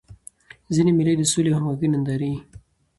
ځيني مېلې د سولي او همږغۍ نندارې يي.